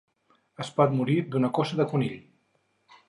Es pot morir d'una coça de conill.